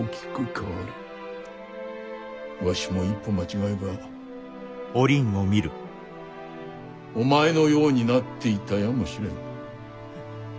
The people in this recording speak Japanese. わしも一歩間違えばお前のようになっていたやもしれぬ。